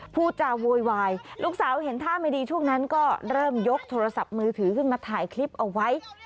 พูดจาโวยวายลูกสาวเห็นท่าไม่ดีช่วงนั้นก็เริ่มยกโทรศัพท์มือถือขึ้นมาถ่ายคลิปเอาไว้